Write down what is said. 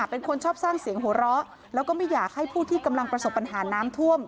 เป็นคนชอบสร้างเสียงหัวเราะแล้วก็ไม่อยากให้ผู้ที่กำลังประสบปัญหาน้ำท่วม